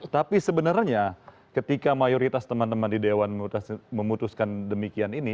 tapi sebenarnya ketika mayoritas teman teman di dewan memutuskan demikian ini